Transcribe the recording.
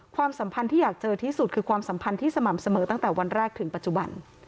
ความสัมพันธ์ที่อยากเจอที่สุดคือความสัมพันธ์ที่สม่ำเสมอตั้งแต่วันแรกถึงปัจจุบัน